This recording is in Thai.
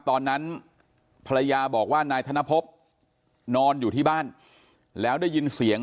ตอนนั้นภรรยาบอกว่านายธนภพนอนอยู่ที่บ้านแล้วได้ยินเสียง